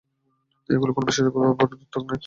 এগুলি কোন বিশেষ ভাবের দ্যোতক নয়।